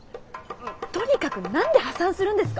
とにかく何で破産するんですか？